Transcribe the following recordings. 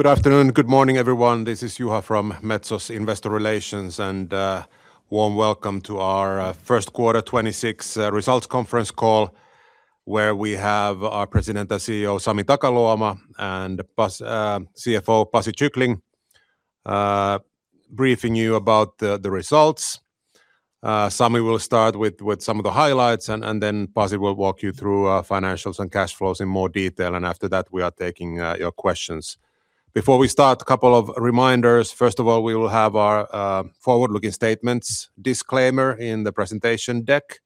Good afternoon. Good morning, everyone. This is Juha from Metso's Investor Relations, and a warm welcome to our first quarter 2026 results conference call, where we have our President and CEO, Sami Takaluoma, and CFO, Pasi Kyckling, briefing you about the results. Sami will start with some of the highlights, and then Pasi will walk you through financials and cash flows in more detail. After that, we are taking your questions. Before we start, a couple of reminders. First of all, we will have our forward-looking statements disclaimer in the presentation deck.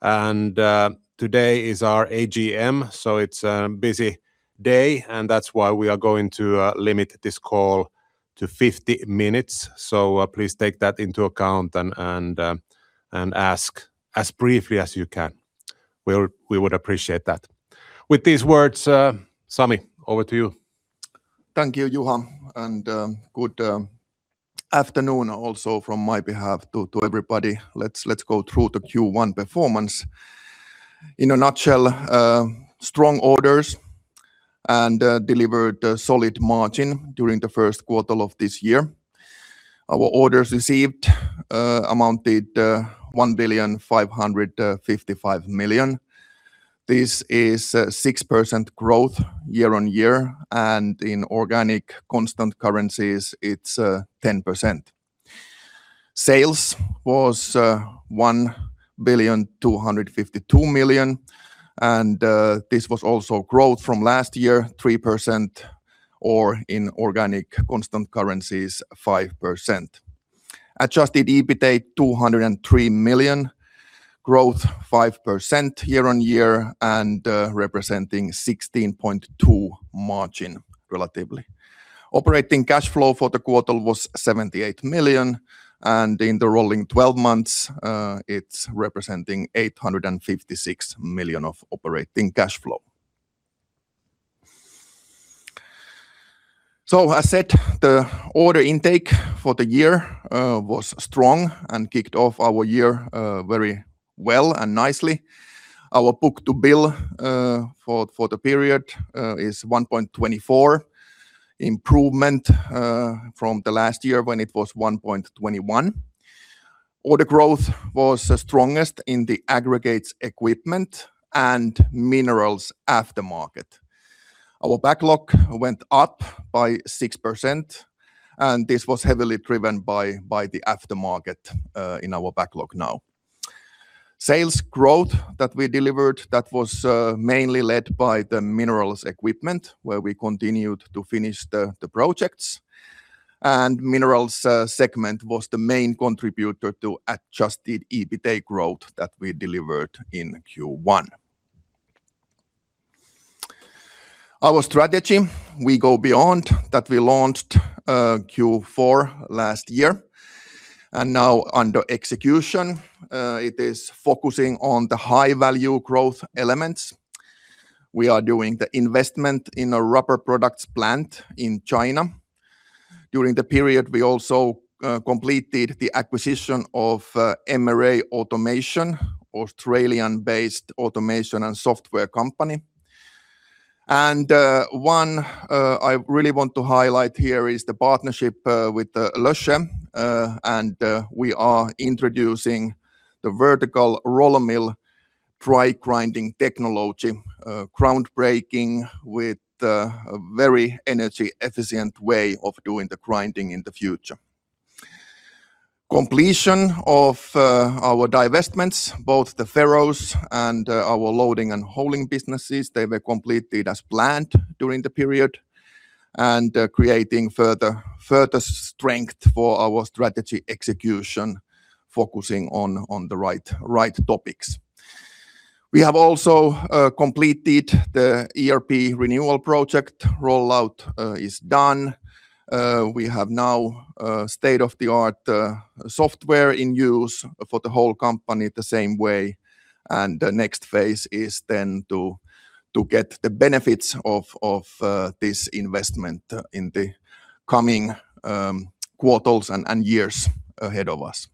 Today is our AGM, so it's a busy day, and that's why we are going to limit this call to 50 minutes. Please take that into account and ask as briefly as you can. We would appreciate that. With these words, Sami, over to you. Thank you, Juha, and good afternoon also from my behalf to everybody. Let's go through the Q1 performance. In a nutshell, strong orders and delivered a solid margin during the first quarter of this year. Our orders received amounted to 1.555 billion. This is 6% growth year-on-year, and in organic constant currencies, it's 10%. Sales was 1.252 billion, and this was also growth from last year, 3%, or in organic constant currencies, 5%. Adjusted EBITA EUR 203 million, growth 5% year-on-year and representing 16.2% margin, relatively. Operating cash flow for the quarter was 78 million, and in the rolling 12 months, it's representing 856 million of operating cash flow. As said, the order intake for the year was strong and kicked off our year very well and nicely. Our book-to-bill for the period is 1.24, improvement from the last year when it was 1.21. Order growth was strongest in the Aggregates equipment and Minerals aftermarket. Our backlog went up by 6%, and this was heavily driven by the aftermarket in our backlog now. Sales growth that we delivered was mainly led by the Minerals equipment, where we continued to finish the projects. Minerals segment was the main contributor to adjusted EBITA growth that we delivered in Q1. Our strategy, We Go Beyond, that we launched in Q4 last year is now under execution. It is focusing on the high-value growth elements. We are doing the investment in a rubber products plant in China. During the period, we also completed the acquisition of MRA Automation, Australian-based automation and software company. One I really want to highlight here is the partnership with Loesche. We are introducing the vertical roller mill dry grinding technology, groundbreaking with a very energy-efficient way of doing the grinding in the future. Completion of our divestments, both the Ferrous and our Loading and Hauling businesses, they were completed as planned during the period, creating further strength for our strategy execution, focusing on the right topics. We have also completed the ERP renewal project. Rollout is done. We have now state-of-the-art software in use for the whole company the same way. The next phase is then to get the benefits of this investment in the coming quarters and years ahead of us.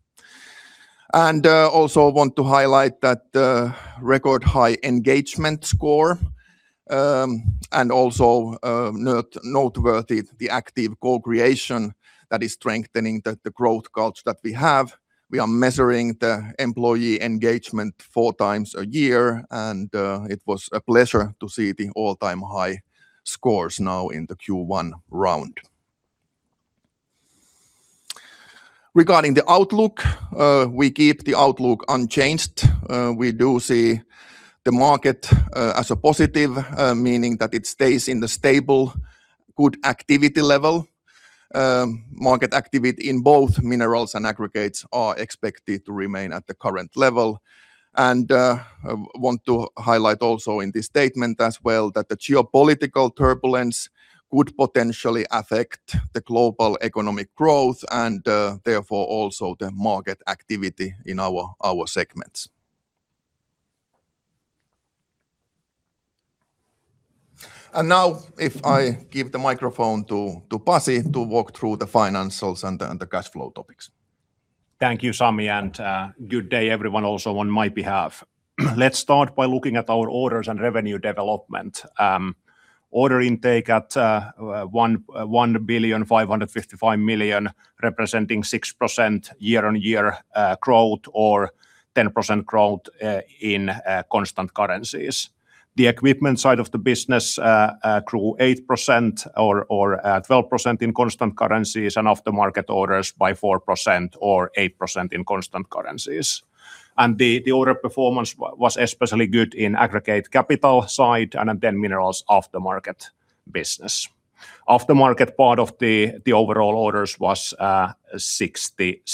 Also, I want to highlight that the record high engagement score and also noteworthy the active co-creation that is strengthening the growth culture that we have. We are measuring the employee engagement four times a year, and it was a pleasure to see the all-time high scores now in the Q1 round. Regarding the outlook, we keep the outlook unchanged. We do see the market as a positive, meaning that it stays in the stable, good activity level. Market activity in both minerals and aggregates are expected to remain at the current level. I want to highlight also in this statement as well that the geopolitical turbulence could potentially affect the global economic growth and therefore also the market activity in our segments. Now if I give the microphone to Pasi to walk through the financials and the cash flow topics. Thank you, Sami, and good day everyone also on my behalf. Let's start by looking at our orders and revenue development. Order intake at 1.555 billion, representing 6% year-on-year growth or 10% growth in constant currencies. The equipment side of the business grew 8% or 12% in constant currencies and after-market orders by 4% or 8% in constant currencies. The order performance was especially good in aggregates capital side and then minerals after-market business. After-market part of the overall orders was 66%.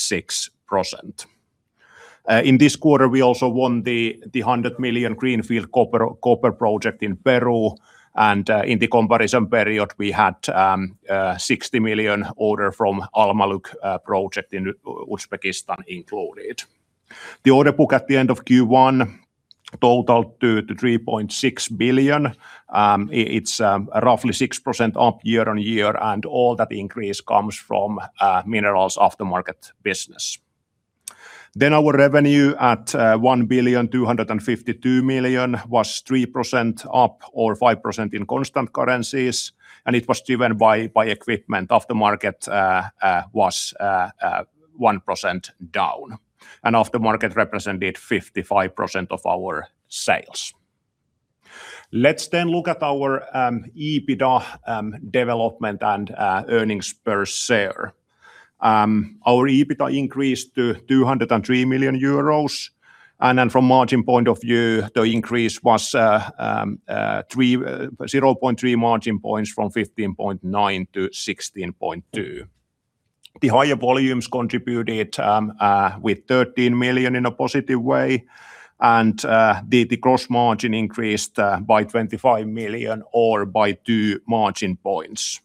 In this quarter, we also won the 100 million greenfield copper project in Peru and in the comparison period we had 60 million order from Almalyk project in Uzbekistan included. The order book at the end of Q1 totaled to 3.6 billion. It's roughly 6% up year-on-year and all that increase comes from minerals after-market business. Our revenue at 1.252 billion was 3% up or 5% in constant currencies. It was driven by equipment. Aftermarket was 1% down, and aftermarket represented 55% of our sales. Let's then look at our EBITDA development and earnings per share. Our EBITDA increased to 203 million euros and then from margin point of view, the increase was 0.3 margin points from 15.9%-16.2%. The higher volumes contributed with 13 million in a positive way, and the gross margin increased by 25 million or by two margin points.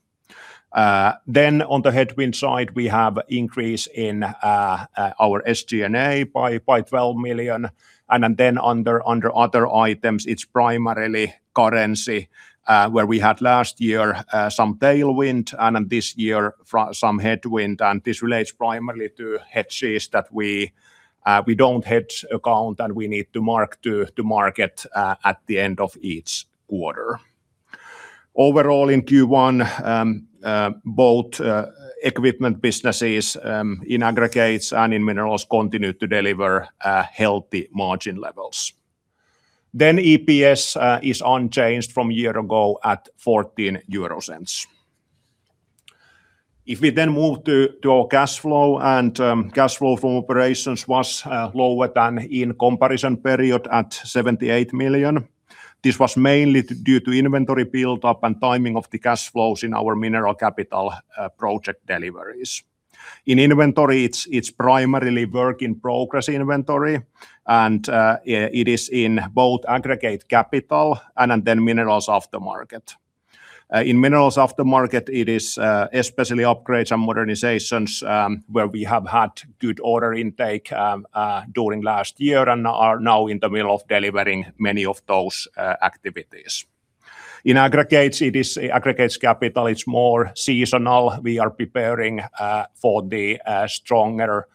On the headwind side we have increase in our SG&A by 12 million. Under other items, it's primarily currency, where we had last year some tailwind and this year some headwind. This relates primarily to hedges that we don't hedge accounting, and we need to mark-to-market at the end of each quarter. Overall, in Q1 both equipment businesses, in aggregates and in minerals continue to deliver healthy margin levels. EPS is unchanged from a year ago at 0.14. If we then move to our cash flow, cash flow from operations was lower than in comparison period at 78 million. This was mainly due to inventory buildup and timing of the cash flows in our minerals capital project deliveries. In inventory, it's primarily work in progress inventory and it is in both aggregates capital and minerals after market. In minerals after market, it is especially upgrades and modernizations, where we have had good order intake during last year and are now in the middle of delivering many of those activities. In aggregates, it is aggregates capital. It's more seasonal. We are preparing for the stronger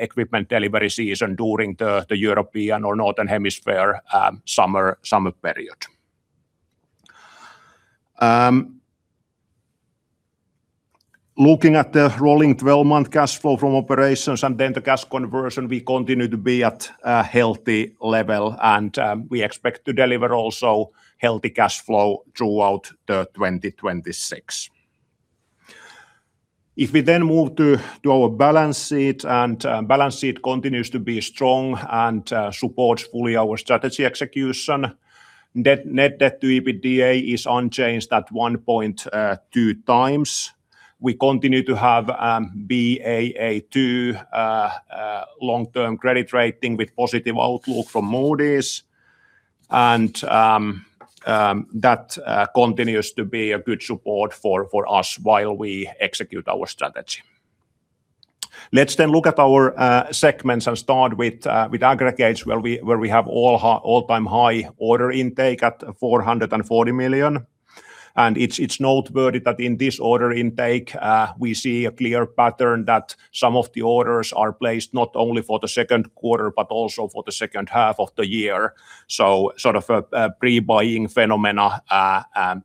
equipment delivery season during the European or Northern Hemisphere summer period. Looking at the rolling 12-month cash flow from operations and then the cash conversion, we continue to be at a healthy level and we expect to deliver also healthy cash flow throughout 2026. If we then move to our balance sheet, balance sheet continues to be strong and supports fully our strategy execution. Net debt to EBITDA is unchanged at 1.2x. We continue to have Baa2 long-term credit rating with positive outlook from Moody's. That continues to be a good support for us while we execute our strategy. Let's then look at our segments and start with Aggregates where we have all-time high order intake at 440 million. It's noteworthy that in this order intake, we see a clear pattern that some of the orders are placed not only for the second quarter, but also for the second half of the year. Sort of a pre-buying phenomena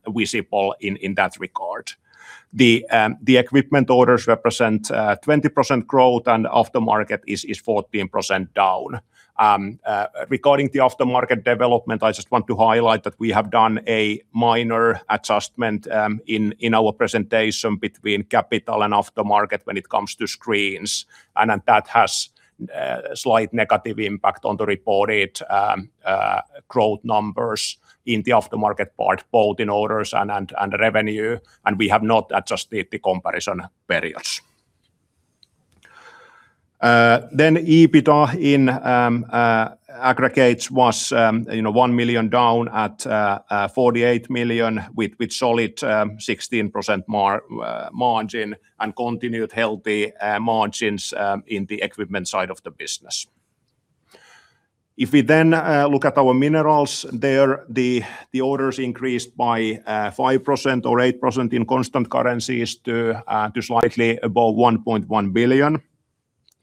visible in that regard. The equipment orders represent 20% growth and after market is 14% down. Regarding the after-market development, I just want to highlight that we have done a minor adjustment in our presentation between capital and after market when it comes to screens, and that has a slight negative impact on the reported growth numbers in the after-market part, both in orders and revenue. We have not adjusted the comparison periods. EBITDA in Aggregates was 1 million down at 48 million with solid 16% margin and continued healthy margins in the equipment side of the business. If we look at our Minerals there, the orders increased by 5% or 8% in constant currencies to slightly above 1.1 billion.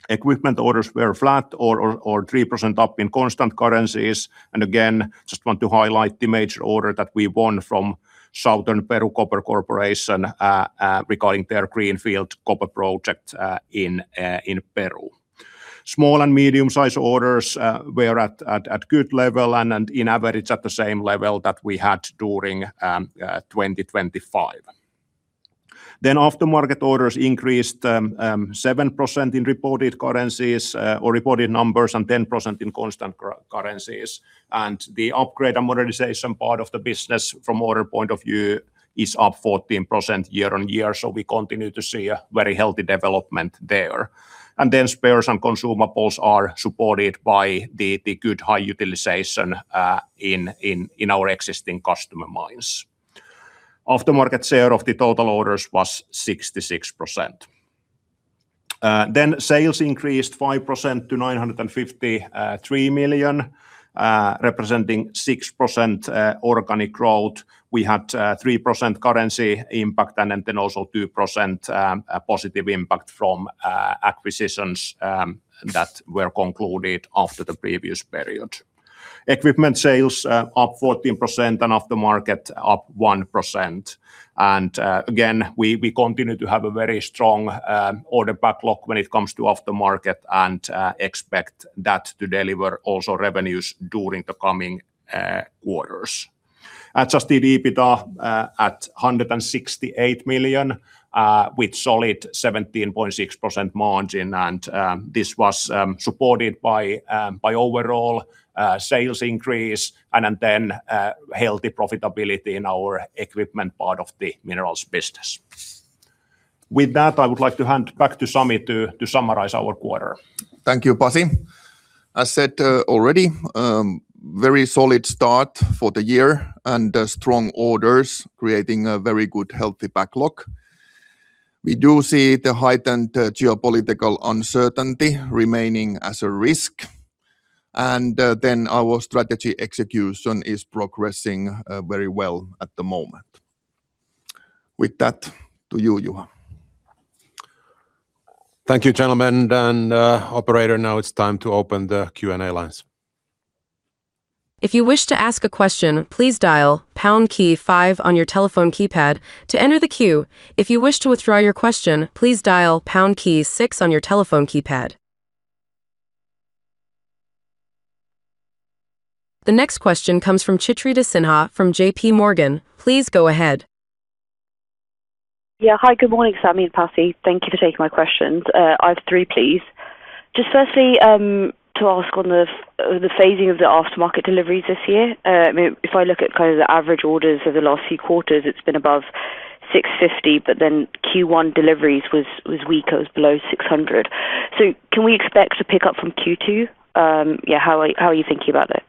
Equipment orders were flat or 3% up in constant currencies. Again, I just want to highlight the major order that we won from Southern Peru Copper Corporation regarding their greenfield copper project in Peru. Small and medium-sized orders were at a good level and on average at the same level that we had during 2025. Aftermarket orders increased 7% in reported currencies or reported numbers and 10% in constant currencies. The upgrade and modernization part of the business from order point of view is up 14% year-on-year. We continue to see a very healthy development there. Spares and consumables are supported by the good high utilization in our existing customer mines. Aftermarket share of the total orders was 66%. Sales increased 5% to 953 million, representing 6% organic growth. We had 3% currency impact and then also 2% positive impact from acquisitions that were concluded after the previous period. Equipment sales up 14% and aftermarket up 1%. Again, we continue to have a very strong order backlog when it comes to aftermarket and expect that to deliver also revenues during the coming quarters. Adjusted EBITDA at 168 million with solid 17.6% margin. This was supported by overall sales increase and then healthy profitability in our equipment part of the minerals business. With that, I would like to hand back to Sami to summarize our quarter. Thank you, Pasi. I said already, very solid start for the year and strong orders creating a very good, healthy backlog. We do see the heightened geopolitical uncertainty remaining as a risk, and then our strategy execution is progressing very well at the moment. With that, to you, Juha. Thank you, gentlemen and operator. Now it's time to open the Q&A lines. If you wish to ask a question, please dial pound key five on your telephone keypad to enter the queue. If you wish to withdraw your question, please dial pound key six on your telephone keypad. The next question comes from Chitrita Sinha from JPMorgan. Please go ahead. Hi, good morning, Sami and Pasi. Thank you for taking my questions. I have three, please. Just firstly, to ask on the phasing of the aftermarket deliveries this year. If I look at kind of the average orders for the last few quarters, it's been above 650, but then Q1 deliveries was weaker. It was below 600. Can we expect to pick up from Q2? Yeah, how are you thinking about it?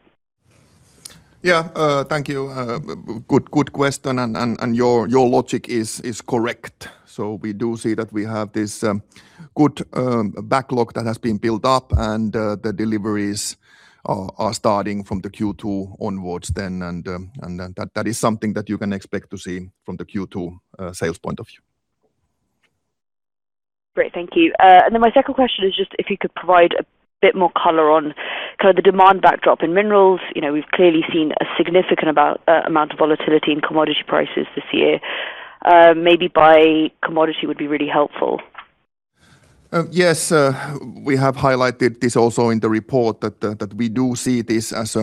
Yeah, thank you. Good question, and your logic is correct. We do see that we have this good backlog that has been built up, and the deliveries are starting from the Q2 onwards then. That is something that you can expect to see from the Q2 sales point of view. Great. Thank you. My second question is just if you could provide a bit more color on the demand backdrop in minerals. We've clearly seen a significant amount of volatility in commodity prices this year. Maybe by commodity would be really helpful. Yes, we have highlighted this also in the report that we do see this as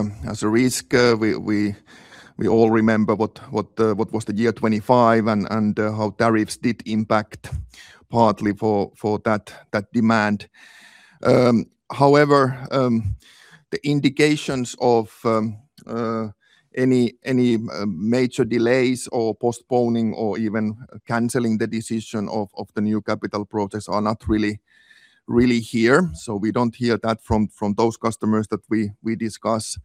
a risk. We all remember what was the year 2025 and how tariffs did impact partly for that demand. However, the indications of any major delays or postponing or even canceling the decision of the new capital projects are not really here. We don't hear that from those customers that we discuss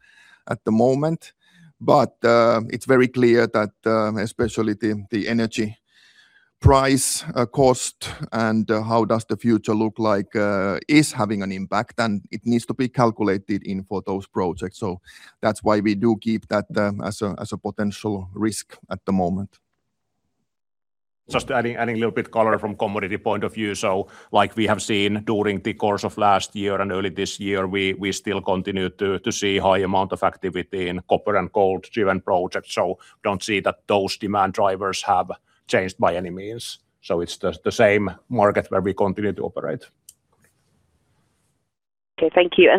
at the moment. But it's very clear that especially the energy price cost and how does the future look like is having an impact, and it needs to be calculated in for those projects. That's why we do keep that as a potential risk at the moment. Just adding a little bit color from commodity point of view. Like we have seen during the course of last year and early this year, we still continue to see high amount of activity in copper and gold-driven projects. Don't see that those demand drivers have changed by any means. It's the same market where we continue to operate. Okay, thank you.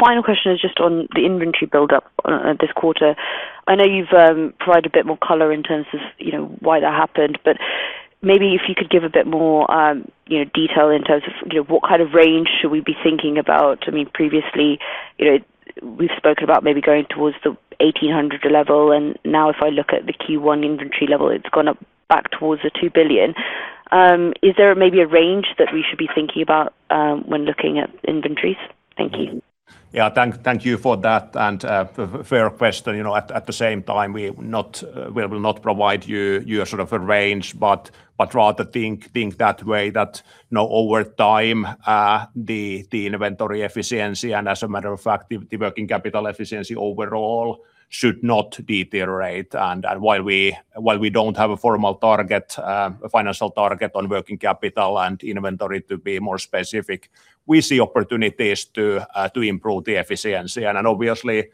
Final question is just on the inventory buildup this quarter. I know you've provided a bit more color in terms of why that happened, but maybe if you could give a bit more detail in terms of what kind of range should we be thinking about. Previously, we've spoken about maybe going towards the 1,800 level, and now if I look at the Q1 inventory level, it's gone up towards the 2 billion. Is there maybe a range that we should be thinking about when looking at inventories? Thank you. Yeah. Thank you for that and fair question. At the same time, we will not provide you a range, but rather think that way, that over time, the inventory efficiency, and as a matter of fact, the working capital efficiency overall, should not deteriorate. While we don't have a formal target, a financial target on working capital and inventory to be more specific, we see opportunities to improve the efficiency. Obviously,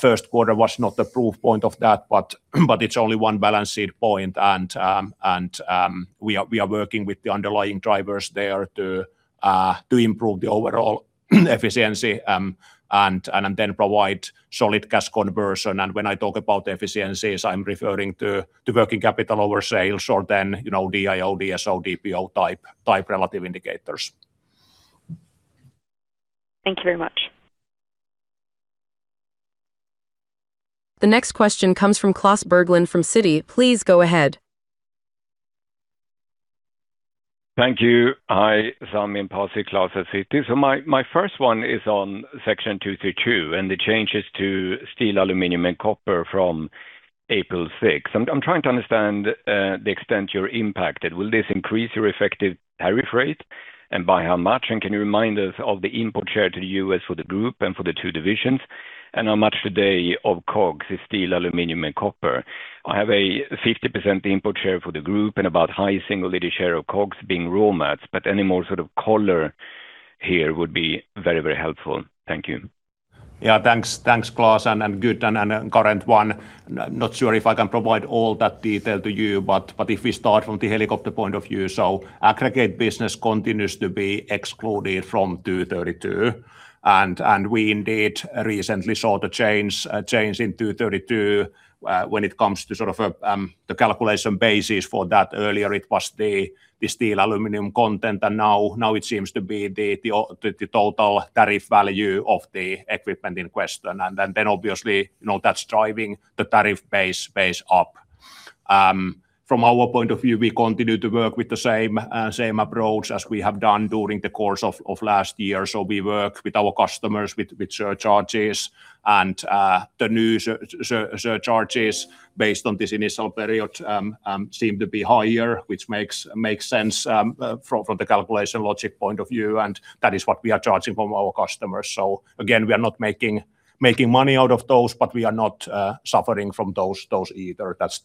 first quarter was not the proof point of that, but it's only one balance sheet point. We are working with the underlying drivers there to improve the overall efficiency, and then provide solid cash conversion. When I talk about efficiencies, I'm referring to working capital over sales or then, DIO, DSO, DPO type relative indicators. Thank you very much. The next question comes from Klas Bergelind from Citi. Please go ahead. Thank you. Hi, Sami and Pasi. Klas at Citi. My first one is on Section 232 and the changes to steel, aluminum, and copper from April 6th. I'm trying to understand the extent you're impacted. Will this increase your effective tariff rate, and by how much? And can you remind us of the import share to the U.S. for the group and for the two divisions, and how much today of COGS is steel, aluminum, and copper? I have a 50% import share for the group and about high single-digit share of COGS being raw materials, but any more sort of color here would be very, very helpful. Thank you. Yeah, thanks, Klas. Good and current one. Not sure if I can provide all that detail to you, but if we start from the helicopter point of view, aggregate business continues to be excluded from 232. We indeed recently saw the change in 232, when it comes to the calculation basis for that. Earlier it was the steel, aluminum content, and now it seems to be the total tariff value of the equipment in question. Then obviously, that's driving the tariff base up. From our point of view, we continue to work with the same approach as we have done during the course of last year. We work with our customers with surcharges and the new surcharges based on this initial period seem to be higher, which makes sense from the calculation logic point of view. That is what we are charging from our customers. Again, we are not making money out of those, but we are not suffering from those either. That's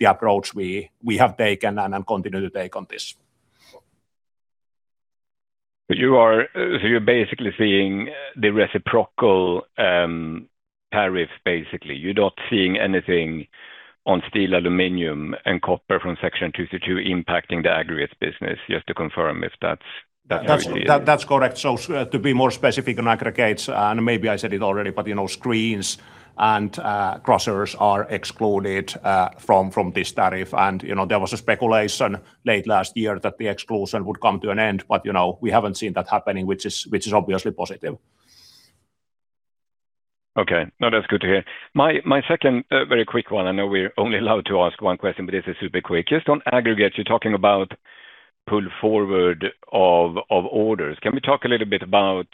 the approach we have taken and continue to take on this. You're basically seeing the reciprocal tariff, basically. You're not seeing anything on steel, aluminum, and copper from Section 232 impacting the aggregates business. Just to confirm if that's clearly- That's correct. To be more specific on aggregates, and maybe I said it already, but screens and crushers are excluded from this tariff. There was a speculation late last year that the exclusion would come to an end, but we haven't seen that happening, which is obviously positive. Okay. No, that's good to hear. My second very quick one, I know we're only allowed to ask one question, but this is super quick. Just on aggregates, you're talking about pull forward of orders. Can we talk a little bit about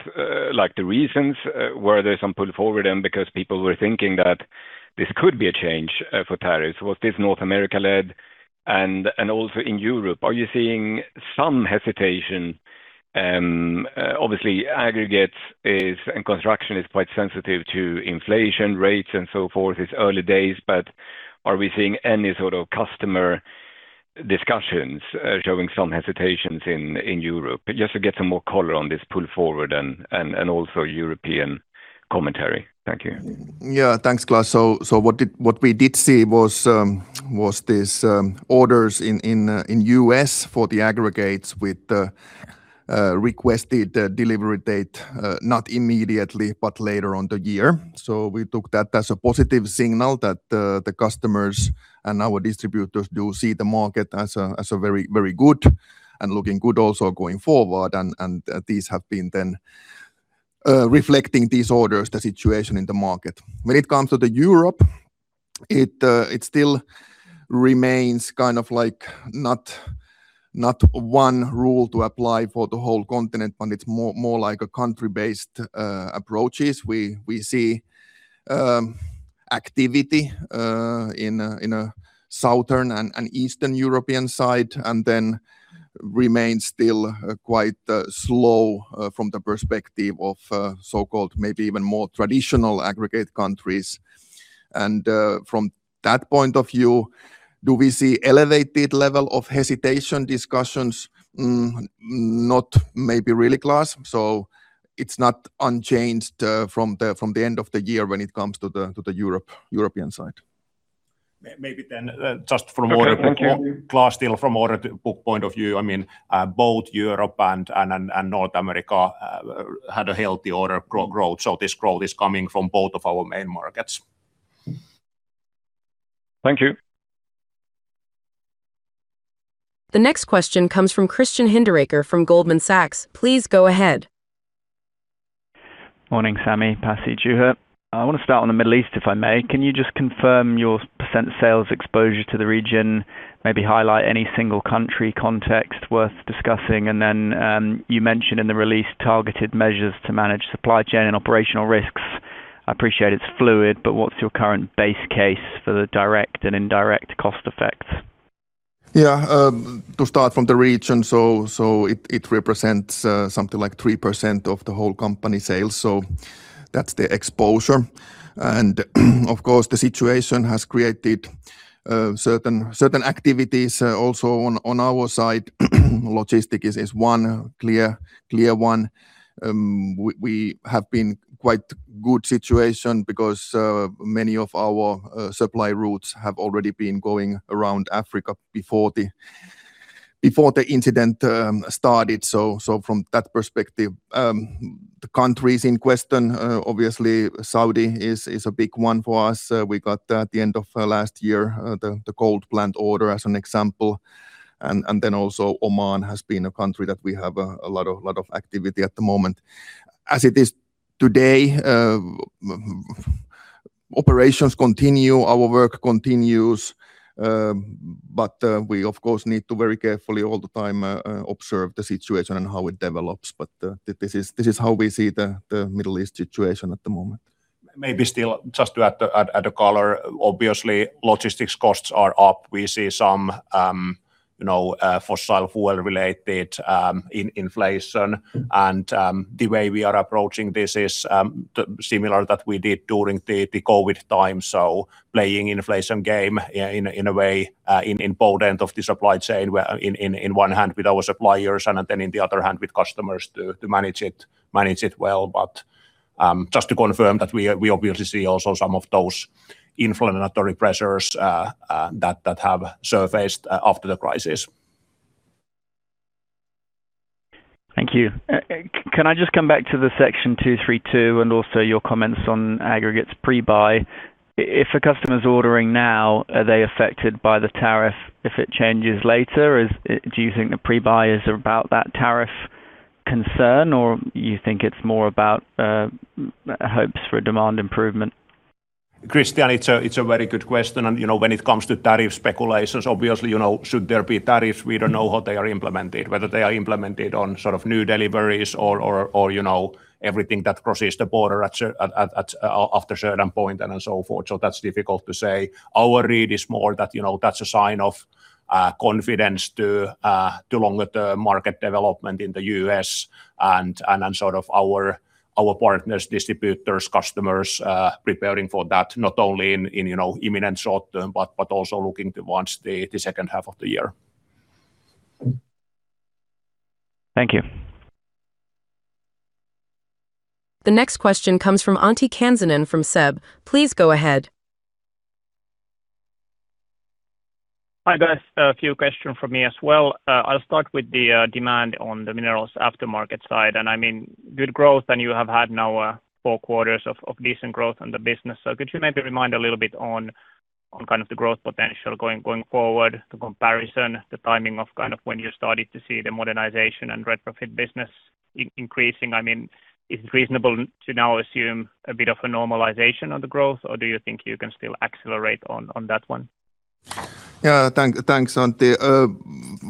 the reasons why there's some pull forward? Because people were thinking that this could be a change for tariffs. Was this North America-led? Also in Europe, are you seeing some hesitation? Obviously aggregates is, and construction is quite sensitive to inflation rates and so forth. It's early days, but are we seeing any sort of customer discussions showing some hesitations in Europe? Just to get some more color on this pull forward and also European commentary. Thank you. Yeah, thanks, Klas. What we did see was these orders in U.S. for the aggregates with the requested delivery date, not immediately, but later on the year. We took that as a positive signal that the customers and our distributors do see the market as very good and looking good also going forward. These have been then reflecting these orders, the situation in the market. When it comes to Europe, it still remains kind of like not one rule to apply for the whole continent, but it's more like a country-based approaches. We see activity in southern and eastern European side, and then remains still quite slow from the perspective of so-called, maybe even more traditional aggregate countries. From that point of view, do we see elevated level of hesitation discussions? Not maybe really, Klas. It's not unchanged from the end of the year when it comes to the European side. Maybe then, just from order. Okay. Thank you.... Klas, still from order book point of view, both Europe and North America had a healthy order growth. This growth is coming from both of our main markets. Thank you. The next question comes from Christian Hinderaker from Goldman Sachs. Please go ahead. Morning, Sami, Pasi, Juha. I want to start on the Middle East, if I may. Can you just confirm your percent sales exposure to the region, maybe highlight any single country context worth discussing? You mentioned in the release targeted measures to manage supply chain and operational risks. I appreciate it's fluid, but what's your current base case for the direct and indirect cost effects? Yeah. To start from the region, so it represents something like 3% of the whole company sales. That's the exposure. Of course, the situation has created certain activities also on our side. Logistics is one clear one. We have been in quite a good situation because many of our supply routes have already been going around Africa before the incident started. From that perspective, the countries in question, obviously Saudi is a big one for us. We got at the end of last year the gold plant order as an example. Then also Oman has been a country that we have a lot of activity at the moment. As it is today, operations continue, our work continues. We of course need to very carefully all the time observe the situation and how it develops. This is how we see the Middle East situation at the moment. Maybe still just to add a color. Obviously, logistics costs are up. We see some fossil fuel-related inflation. The way we are approaching this is similar that we did during the COVID time, playing inflation game in a way in both end of the supply chain, in one hand with our suppliers, and then in the other hand with customers to manage it well. Just to confirm that we obviously see also some of those inflationary pressures that have surfaced after the crisis. Thank you. Can I just come back to the Section 232 and also your comments on aggregates pre-buy? If a customer's ordering now, are they affected by the tariff if it changes later? Do you think the pre-buy is about that tariff concern or you think it's more about hopes for demand improvement? Christian, it's a very good question. When it comes to tariff speculations, obviously, should there be tariffs, we don't know how they are implemented, whether they are implemented on sort of new deliveries or everything that crosses the border after certain point and so forth. That's difficult to say. Our read is more that's a sign of confidence to longer-term market development in the U.S. and sort of our partners, distributors, customers preparing for that not only in imminent short term but also looking towards the second half of the year. Thank you. The next question comes from Antti Kansanen from SEB. Please go ahead. Hi, guys. A few questions from me as well. I'll start with the demand on the minerals aftermarket side, and I mean, good growth, and you have had now four quarters of decent growth on the business. Could you maybe remind a little bit on kind of the growth potential going forward, the comparison, the timing of kind of when you started to see the modernization and retrofit business increasing? I mean, is it reasonable to now assume a bit of a normalization on the growth or do you think you can still accelerate on that one? Yeah, thanks, Antti.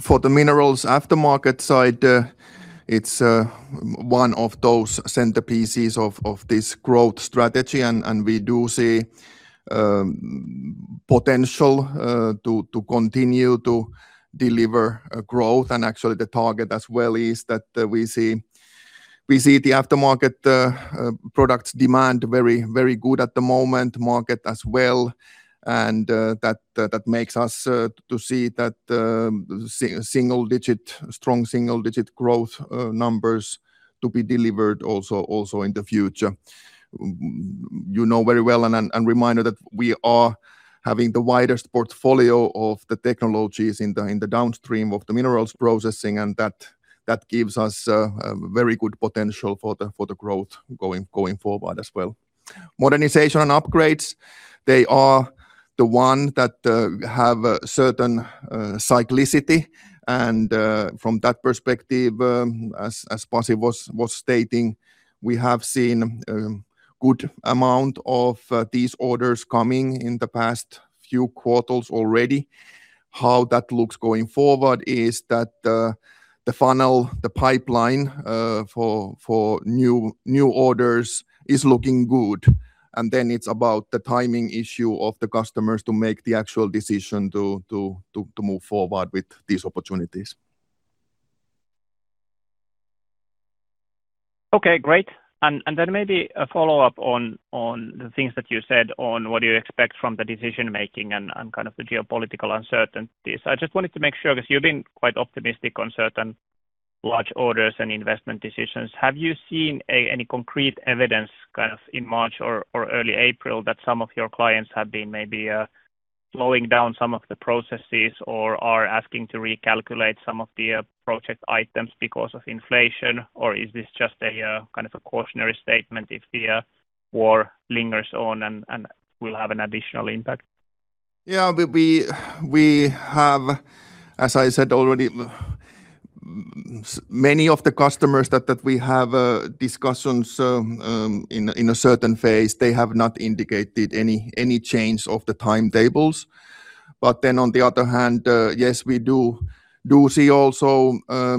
For the minerals aftermarket side, it's one of those centerpieces of this growth strategy. We do see potential to continue to deliver growth. Actually, the target as well is that we see the aftermarket products demand very good at the moment, market as well. That makes us to see that strong single-digit growth numbers to be delivered also in the future. You know very well and reminder that we are having the widest portfolio of the technologies in the downstream of the minerals processing, and that gives us a very good potential for the growth going forward as well. Modernization and upgrades, they are the one that have a certain cyclicity. From that perspective, as Pasi was stating, we have seen good amount of these orders coming in the past few quarters already. How that looks going forward is that the funnel, the pipeline for new orders is looking good. It's about the timing issue of the customers to make the actual decision to move forward with these opportunities. Okay, great. Maybe a follow-up on the things that you said on what you expect from the decision-making and kind of the geopolitical uncertainties. I just wanted to make sure, because you've been quite optimistic on certain large orders and investment decisions. Have you seen any concrete evidence kind of in March or early April that some of your clients have been maybe slowing down some of the processes or are asking to recalculate some of the project items because of inflation? Is this just a kind of a cautionary statement if the war lingers on and will have an additional impact? Yeah. We have, as I said already. Many of the customers that we have discussions in a certain phase, they have not indicated any change of the timetables. On the other hand, yes, we do see also a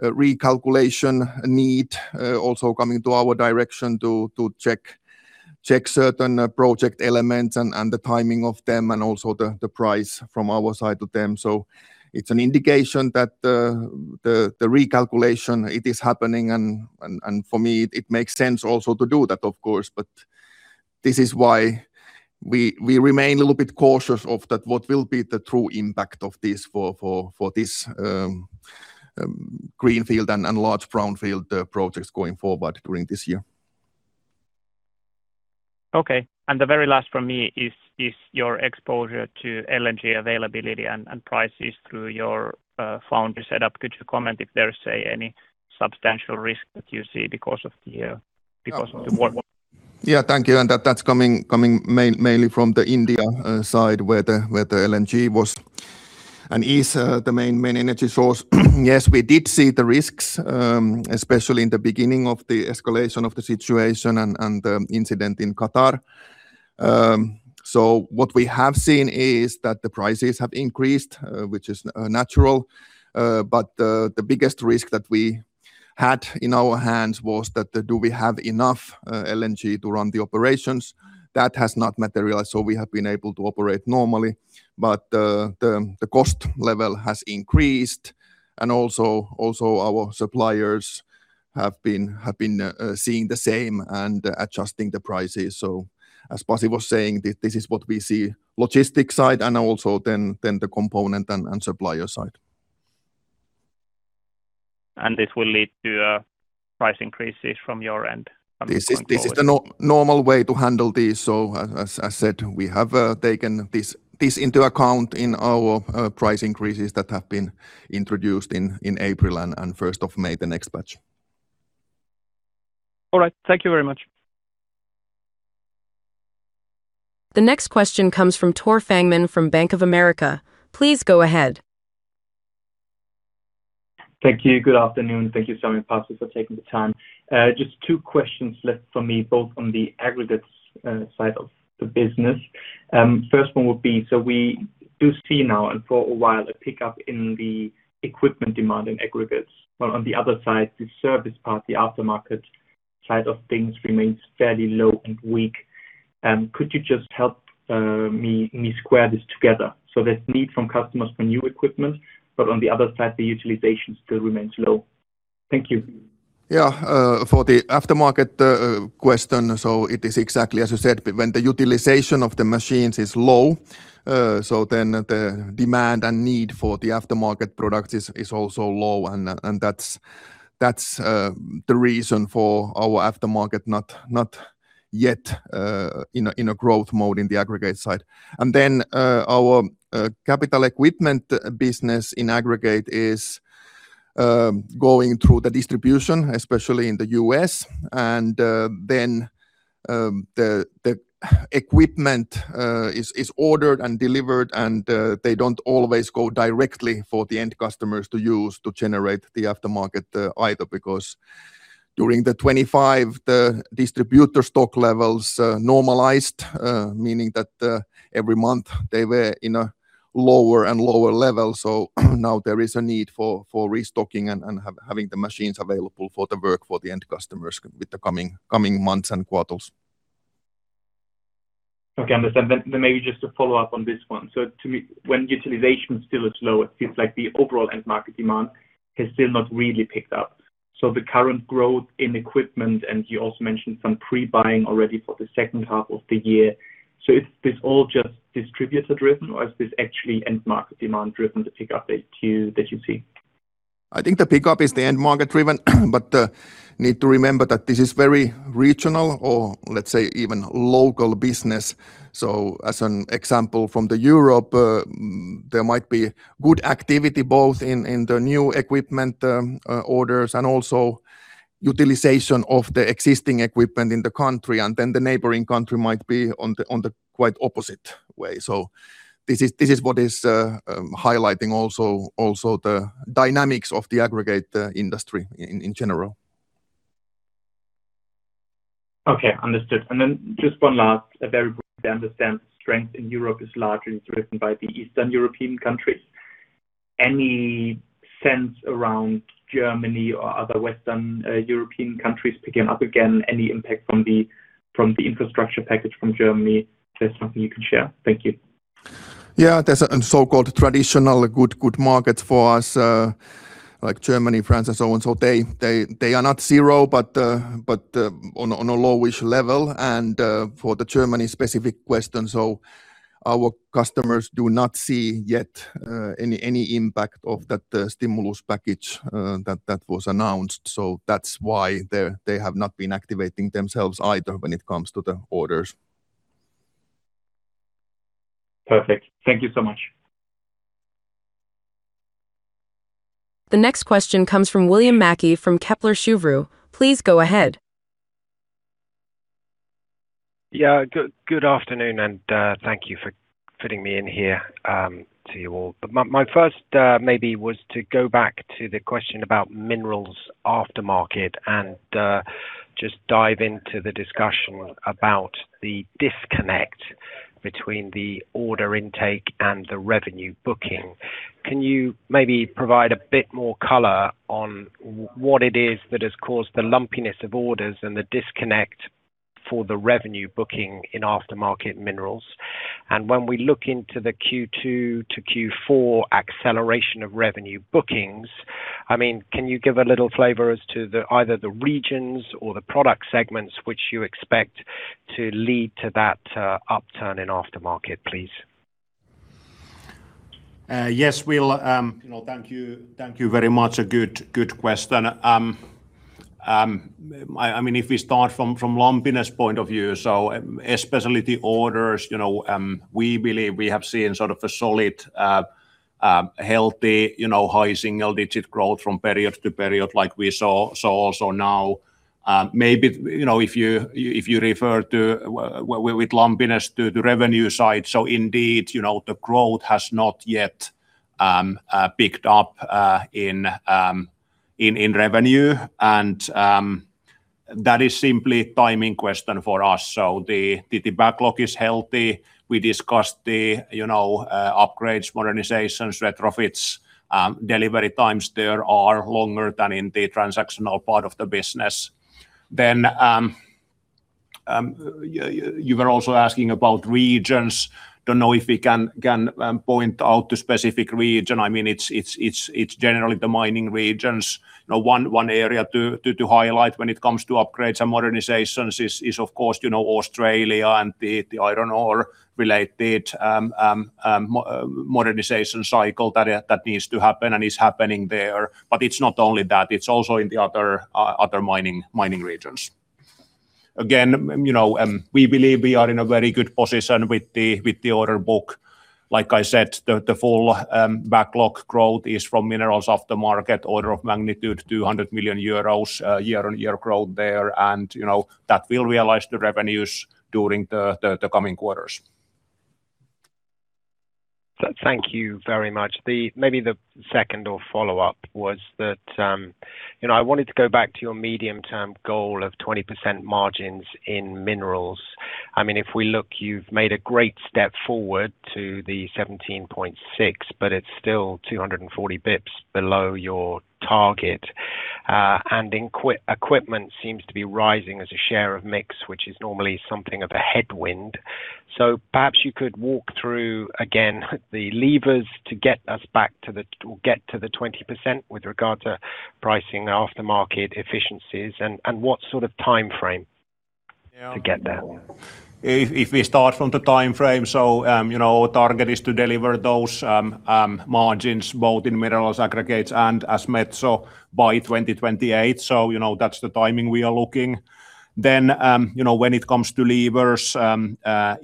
recalculation need also coming to our direction to check certain project elements and the timing of them, and also the price from our side to them. It's an indication that the recalculation, it is happening and for me it makes sense also to do that, of course. This is why we remain a little bit cautious of that what will be the true impact of this for this greenfield and large brownfield projects going forward during this year. Okay. The very last from me is your exposure to LNG availability and prices through your foundry setup. Could you comment if there's any substantial risk that you see because of the war? Yeah. Thank you. That's coming mainly from the India side, where the LNG was and is the main energy source. Yes, we did see the risks, especially in the beginning of the escalation of the situation and the incident in Qatar. What we have seen is that the prices have increased, which is natural. The biggest risk that we had in our hands was that do we have enough LNG to run the operations. That has not materialized, so we have been able to operate normally. The cost level has increased and also our suppliers have been seeing the same and adjusting the prices. As Pasi was saying, this is what we see on the logistics side and also then on the component and supplier side. This will lead to price increases from your end going forward. This is the normal way to handle this. As I said, we have taken this into account in our price increases that have been introduced in April and 1st of May, the next batch. All right. Thank you very much. The next question comes from Tore Fangmann from Bank of America. Please go ahead. Thank you. Good afternoon. Thank you Sami and Pasi for taking the time. Just two questions left for me, both on the aggregates side of the business. First one would be, so we do see now and for a while, a pickup in the equipment demand in aggregates. On the other side, the service part, the aftermarket side of things remains fairly low and weak. Could you just help me square this together? There's need from customers for new equipment, but on the other side the utilization still remains low. Thank you. Yeah. For the aftermarket question, so it is exactly as you said. When the utilization of the machines is low, so then the demand and need for the aftermarket product is also low and that's the reason for our aftermarket not yet in a growth mode in the aggregate side. Our capital equipment business in aggregate is going through the distribution, especially in the U.S., and then the equipment is ordered and delivered, and they don't always go directly for the end customers to use to generate the aftermarket either, because during the 2025, the distributor stock levels normalized, meaning that every month they were in a lower and lower level. Now there is a need for restocking and having the machines available for the work for the end customers with the coming months and quarters. Okay, understand. Maybe just to follow up on this one. To me, when utilization still is low, it seems like the overall end market demand has still not really picked up. The current growth in equipment, and you also mentioned some pre-buying already for the second half of the year. Is this all just distributor-driven or is this actually end market demand-driven, the pickup that you see? I think the pickup is the end market driven, but need to remember that this is very regional or let's say even local business. As an example from Europe, there might be good activity both in the new equipment orders and also utilization of the existing equipment in the country. Then the neighboring country might be on the quite opposite way. This is what is highlighting also the dynamics of the aggregate industry in general. Okay. Understood. Just one last, a very broad understanding. Strength in Europe is largely driven by the Eastern European countries. Any sense around Germany or other Western European countries picking up again? Any impact from the infrastructure package from Germany? If there's something you can share. Thank you. Yeah. There's a so-called traditional good markets for us, like Germany, France and so on. They are not zero, but on a low-ish level. For the Germany specific question, so our customers do not see yet any impact of that stimulus package that was announced. That's why they have not been activating themselves either when it comes to the orders. Perfect. Thank you so much. The next question comes from William Mackie from Kepler Cheuvreux. Please go ahead. Yeah. Good afternoon, and thank you for fitting me in here to you all. My first maybe was to go back to the question about minerals aftermarket and just dive into the discussion about the disconnect between the order intake and the revenue booking. Can you maybe provide a bit more color on what it is that has caused the lumpiness of orders and the disconnect for the revenue booking in aftermarket minerals? When we look into the Q2 to Q4 acceleration of revenue bookings, can you give a little flavor as to either the regions or the product segments which you expect to lead to that upturn in aftermarket, please? Yes, Will. Thank you very much. A good question. If we start from lumpiness point of view, so especially the orders, we believe we have seen sort of a solid healthy high single digit growth from period to period like we saw also now. Maybe, if you refer to with lumpiness to the revenue side. Indeed, the growth has not yet picked up in revenue and that is simply timing question for us. The backlog is healthy. We discussed the upgrades, modernizations, retrofits delivery times there are longer than in the transactional part of the business. You were also asking about regions. I don't know if we can point out a specific region. It's generally the mining regions. One area to highlight when it comes to upgrades and modernizations is, of course, Australia and the iron ore-related modernization cycle that needs to happen and is happening there. It's not only that, it's also in the other mining regions. Again, we believe we are in a very good position with the order book. Like I said, the full backlog growth is from minerals aftermarket order of magnitude 200 million euros year-on-year growth there, and that will realize the revenues during the coming quarters. Thank you very much. Maybe the second or follow-up was that I wanted to go back to your medium-term goal of 20% margins in Minerals. If we look, you've made a great step forward to the 17.6%, but it's still 240 basis points below your target. Equipment seems to be rising as a share of mix, which is normally something of a headwind. Perhaps you could walk through again the levers to get us back to the or get to the 20% with regard to pricing aftermarket efficiencies and what sort of timeframe to get there. If we start from the timeframe, so our target is to deliver those margins both in minerals, aggregates, and as Metso by 2028. That's the timing we are looking. When it comes to levers,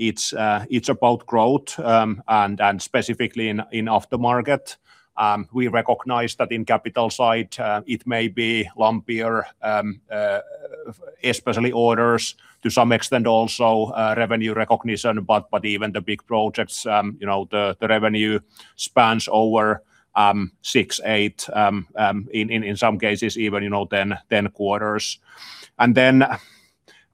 it's about growth, and specifically in aftermarket. We recognize that in capital side, it may be lumpier, especially orders to some extent also revenue recognition. Even the big projects, the revenue spans over six, eight, in some cases even 10 quarters.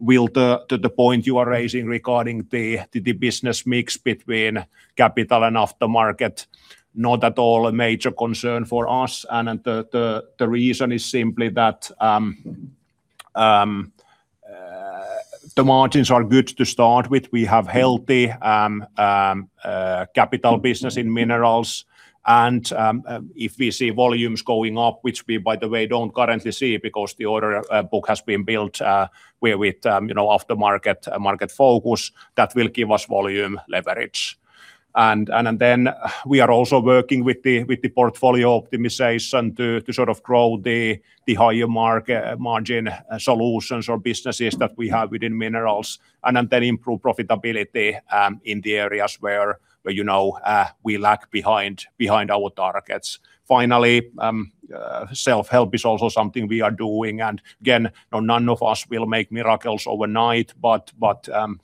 Will, to the point you are raising regarding the business mix between capital and aftermarket, not at all a major concern for us. The reason is simply that the margins are good to start with. We have healthy capital business in minerals, and if we see volumes going up, which we, by the way, don't currently see because the order book has been built, whereas with aftermarket focus, that will give us volume leverage. We are also working with the portfolio optimization to sort of grow the higher margin solutions or businesses that we have within minerals, and then improve profitability in the areas where we lag behind our targets. Finally, self-help is also something we are doing. None of us will make miracles overnight, but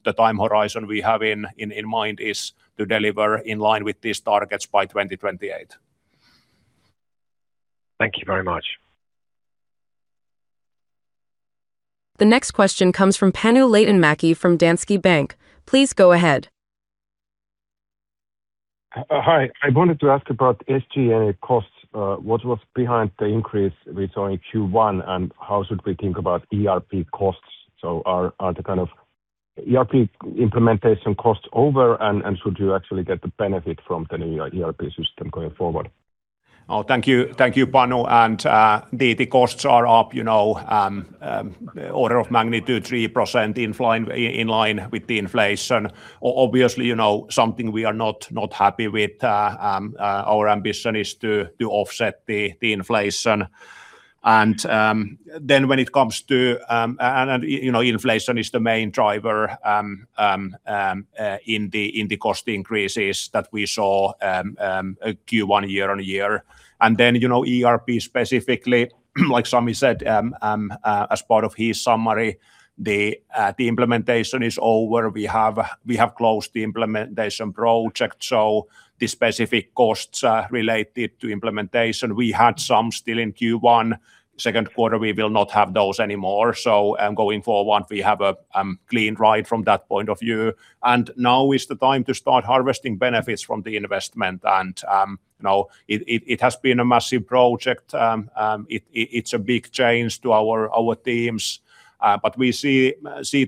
the time horizon we have in mind is to deliver in line with these targets by 2028. Thank you very much. The next question comes from Panu Laitinmäki from Danske Bank. Please go ahead. Hi. I wanted to ask about SG&A costs. What was behind the increase we saw in Q1, and how should we think about ERP costs? Are the kind of ERP implementation costs over, and should you actually get the benefit from the new ERP system going forward? Oh, thank you, Panu. The costs are up order of magnitude 3% in line with the inflation. Obviously, something we are not happy with. Our ambition is to offset the inflation. When it comes to, inflation is the main driver in the cost increases that we saw Q1 year on year. ERP specifically like Sami said, as part of his summary, the implementation is over. We have closed the implementation project, so the specific costs related to implementation, we had some still in Q1. Second quarter, we will not have those anymore. Going forward, we have a clean ride from that point of view. Now is the time to start harvesting benefits from the investment. It has been a massive project. It's a big change to our teams, but we see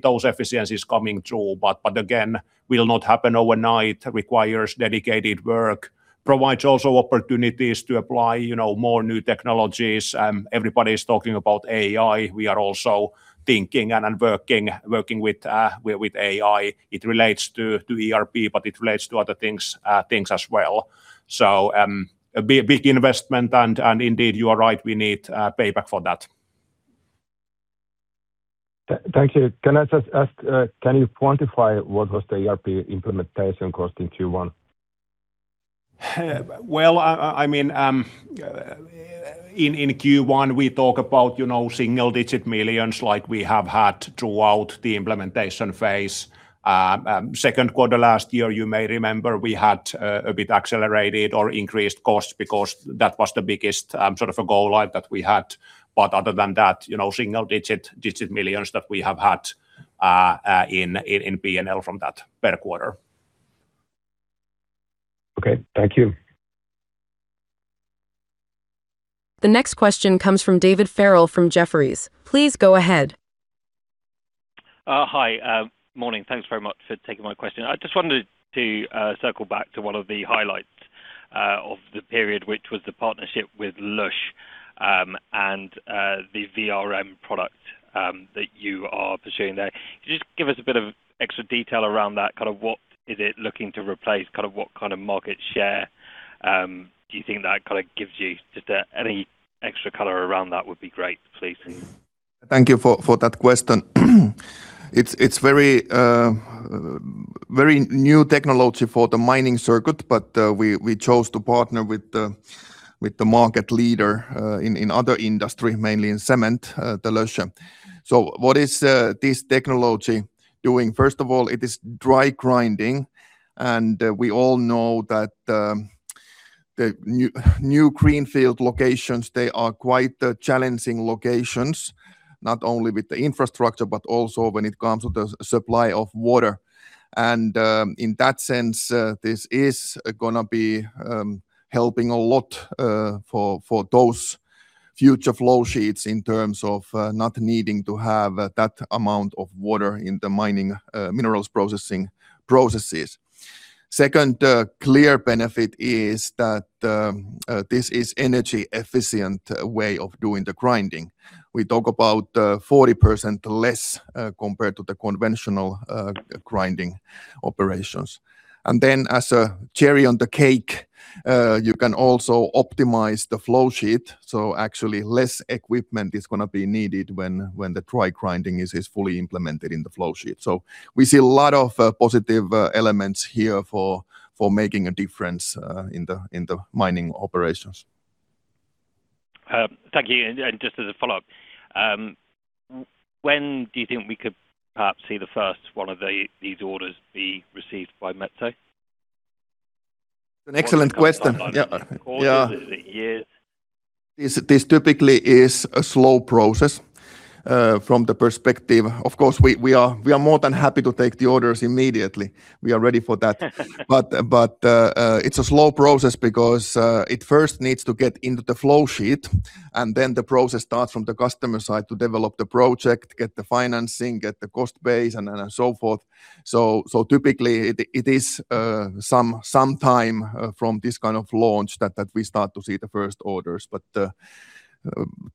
those efficiencies coming through. Again, will not happen overnight, requires dedicated work, provides also opportunities to apply more new technologies. Everybody's talking about AI. We are also thinking and working with AI. It relates to ERP, but it relates to other things as well. A big investment and indeed, you are right, we need payback for that. Thank you. Can I just ask, can you quantify what was the ERP implementation cost in Q1? In Q1 we talk about EUR single-digit millions like we have had throughout the implementation phase. Second quarter last year, you may remember we had a bit accelerated or increased costs because that was the biggest sort of a go-live that we had. Other than that, EUR single-digit millions that we have had in P&L from that per quarter. Okay. Thank you. The next question comes from David Farrell from Jefferies. Please go ahead. Hi. Morning. Thanks very much for taking my question. I just wanted to circle back to one of the highlights of the period, which was the partnership with Loesche, and the VRM product, that you are pursuing there. Could you just give us a bit of extra detail around that? What is it looking to replace? What kind of market share do you think that gives you? Just any extra color around that would be great, please. Thank you for that question. It's very new technology for the mining circuit, but we chose to partner with the market leader in other industry, mainly in cement, Loesche. What is this technology doing? First of all, it is dry grinding, and we all know that the new greenfield locations, they are quite challenging locations, not only with the infrastructure, but also when it comes with the supply of water. In that sense, this is going to be helping a lot for those future flow sheets in terms of not needing to have that amount of water in the minerals processing processes. Second clear benefit is that this is energy efficient way of doing the grinding. We talk about 40% less compared to the conventional grinding operations. Then as a cherry on the cake, you can also optimize the flow sheet. Actually less equipment is going to be needed when the dry grinding is fully implemented in the flow sheet. We see a lot of positive elements here for making a difference in the mining operations. Thank you. Just as a follow-up, when do you think we could perhaps see the first one of these orders be received by Metso? It's an excellent question. Yeah. Is it quarters, is it years? This typically is a slow process from the perspective. Of course, we are more than happy to take the orders immediately. We are ready for that. It's a slow process because it first needs to get into the flow sheet, and then the process starts from the customer side to develop the project, get the financing, get the cost base, and so forth. Typically, it is some time from this kind of launch that we start to see the first orders.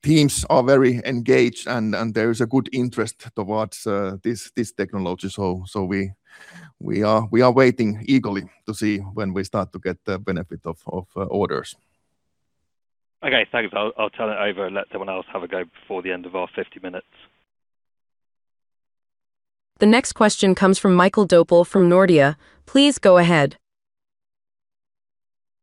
Teams are very engaged and there is a good interest towards this technology. We are waiting eagerly to see when we start to get the benefit of orders. Okay, thanks. I'll turn it over and let someone else have a go before the end of our 50 minutes. The next question comes from Mikael Doepel from Nordea. Please go ahead.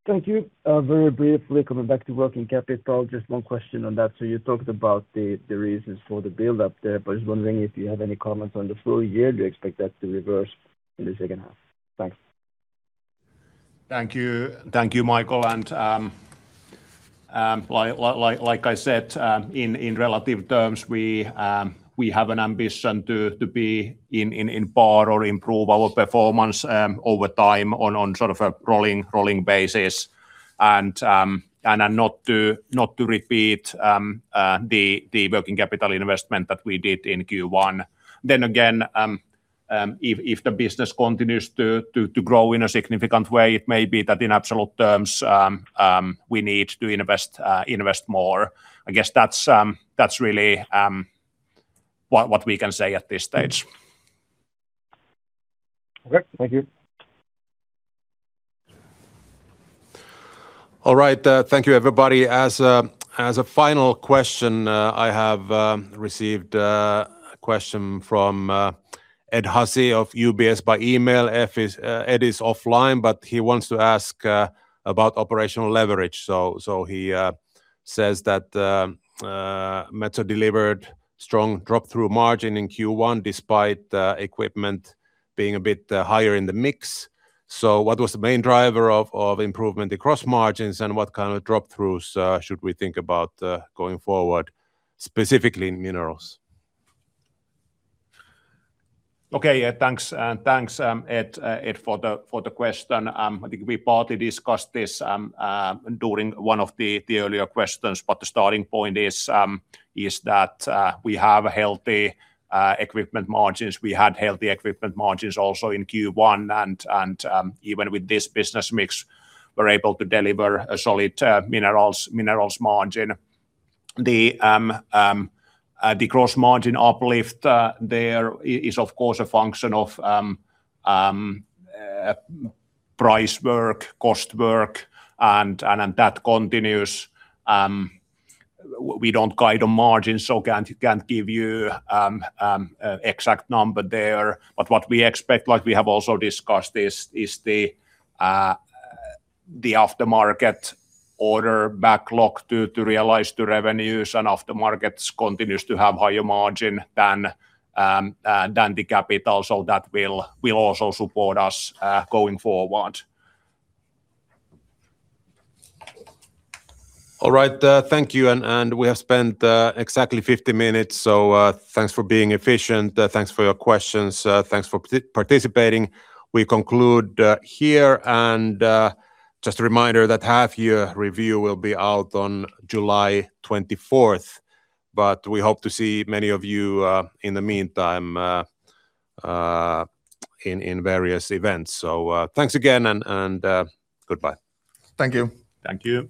Thank you. Very briefly, coming back to working capital, just one question on that. You talked about the reasons for the buildup there, but just wondering if you have any comments on the full year. Do you expect that to reverse in the second half? Thanks. Thank you, Mikael. Like I said, in relative terms, we have an ambition to be in par or improve our performance over time on sort of a rolling basis. Not to repeat the working capital investment that we did in Q1. Again, if the business continues to grow in a significant way, it may be that in absolute terms, we need to invest more. I guess that's really what we can say at this stage. Okay. Thank you. All right. Thank you, everybody. As a final question, I have received a question from Edward Hussey of UBS by email. Ed is offline, but he wants to ask about operational leverage. He says that Metso delivered strong drop-through margin in Q1 despite equipment being a bit higher in the mix. What was the main driver of improvement across margins and what kind of drop-throughs should we think about going forward, specifically in minerals? Okay. Thanks, Ed, for the question. I think we partly discussed this during one of the earlier questions, but the starting point is that we have healthy equipment margins. We had healthy equipment margins also in Q1 and even with this business mix, we're able to deliver a solid minerals margin. The gross margin uplift there is of course a function of price work, cost work, and that continues. We don't guide on margins, so can't give you an exact number there. What we expect, like we have also discussed, is the aftermarket order backlog to realize the revenues and aftermarkets continues to have higher margin than the capital. That will also support us going forward. All right. Thank you. We have spent exactly 50 minutes, so thanks for being efficient. Thanks for your questions. Thanks for participating. We conclude here. Just a reminder that half year review will be out on July 24th, but we hope to see many of you in the meantime in various events. Thanks again and goodbye. Thank you. Thank you.